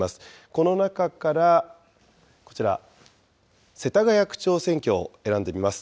この中からこちら、世田谷区長選挙を選んでみます。